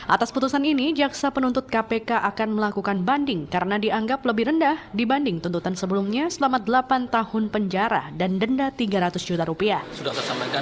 atas putusan ini jaksa penuntut kpk akan melakukan banding karena dianggap lebih rendah dibanding tuntutan sebelumnya selama delapan tahun penjara dan denda tiga ratus juta rupiah